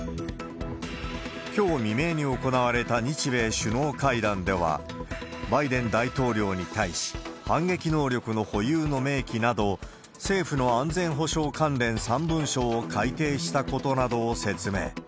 きょう未明に行われた日米首脳会談では、バイデン大統領に対し、反撃能力の保有の明記など、政府の安全保障関連３文書を改訂したことなどを説明。